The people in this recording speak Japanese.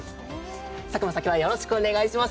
佐久間さん、今日はよろしくお願いします。